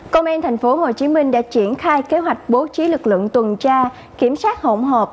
công an tp hcm đã triển khai kế hoạch bố trí lực lượng tuần tra kiểm soát hỗn hợp